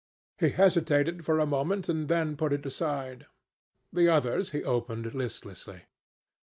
He hesitated for a moment, and then put it aside. The others he opened listlessly.